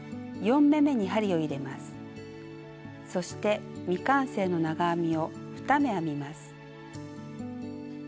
そして未完成の長編みを２目編みます。